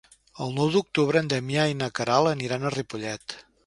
El nou d'octubre en Damià i na Queralt aniran a Ripollet.